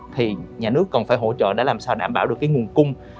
thì nhà nước còn phải hỗ trợ để làm sao đảm bảo được cái nguồn cung